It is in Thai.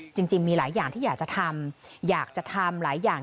จริงมีหลายอย่างที่อยากจะทำอยากจะทำหลายอย่าง